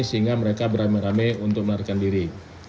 sehingga mereka beramai ramai untuk melarikan diri